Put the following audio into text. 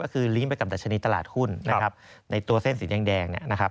ก็คือลีมไปกับแต่ชนิดตลาดหุ้นในตัวเส้นสีแดง